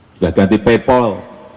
sudah ganti paypal